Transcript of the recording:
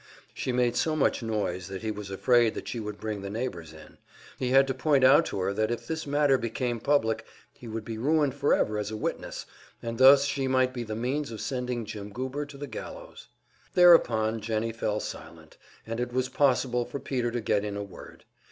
She made so much noise that he was afraid that she would bring the neighbors in; he had to point out to her that if this matter became public he would be ruined forever as a witness, and thus she might be the means of sending Jim Goober to the gallows. Thereupon Jennie fell silent, and it was possible for Peter to get in a word.